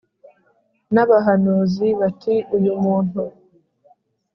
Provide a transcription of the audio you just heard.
N abahanuzi bati uyu muntu